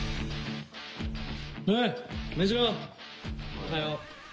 おはよう。